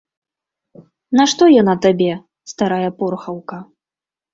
Нашто яна табе, старая порхаўка?